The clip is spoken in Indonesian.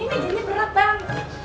ini ini berat bang